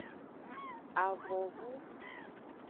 Avonvu.